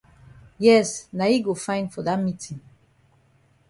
Yes na yi go fine for dat meetin.